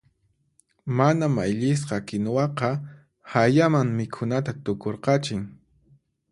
Mana mayllisqa kinuwaqa hayaman mikhunata tukurqachin.